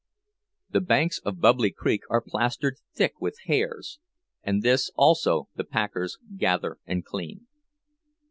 The banks of "Bubbly Creek" are plastered thick with hairs, and this also the packers gather and clean.